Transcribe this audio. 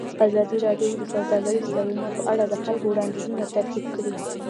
ازادي راډیو د سوداګریز تړونونه په اړه د خلکو وړاندیزونه ترتیب کړي.